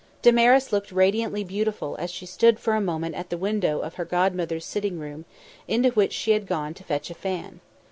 Damaris looked radiantly beautiful as she stood for a moment at the window of her godmother's sitting room, into which she had gone to fetch a fan.